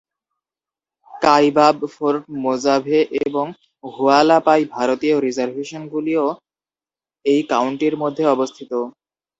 কাইবাব, Fort Mojave এবং Hualapai ভারতীয় রিজার্ভেশনগুলিও এই কাউন্টির মধ্যে অবস্থিত।